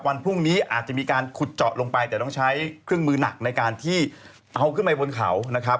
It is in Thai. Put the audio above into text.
วันพรุ่งนี้อาจจะมีการขุดเจาะลงไปแต่ต้องใช้เครื่องมือหนักในการที่เอาขึ้นไปบนเขานะครับ